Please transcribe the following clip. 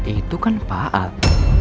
itu kan pak al